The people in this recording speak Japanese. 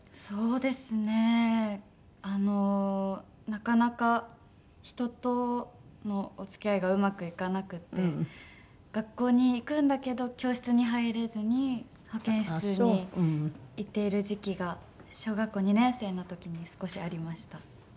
そうですねあのなかなか人とのお付き合いがうまくいかなくて学校に行くんだけど教室に入れずに保健室に行っている時期が小学校２年生の時に少しありました。